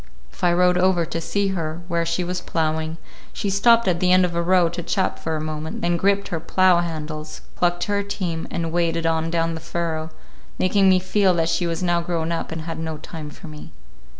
If I rode over to see her where she was ploughing, she stopped at the end of a row to chat for a moment, then gripped her plough handles, clucked to her team, and waded on down the furrow, making me feel that she was now grown up and had no time for me.